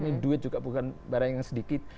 ini duit juga bukan barang yang sedikit